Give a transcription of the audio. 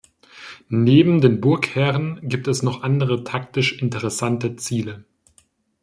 Neben dem Burgherren gibt es noch andere taktisch interessante Ziele.